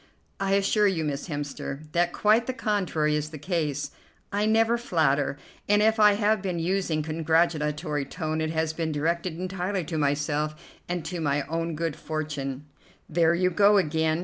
"I assure you, Miss Hemster, that quite the contrary is the case. I never flatter; and if I have been using a congratulatory tone it has been directed entirely to myself and to my own good fortune." "There you go again.